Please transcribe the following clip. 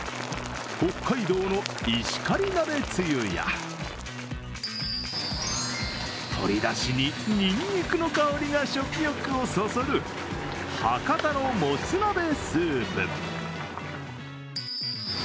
北海道の石狩鍋つゆや鳥だしに、にんにくの香りが食欲をそそる博多のもつ鍋スープ。